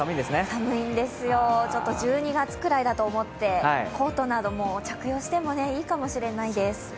寒いんですよ、１２月くらいだと思ってコートなども着用してもいいかもしれないです。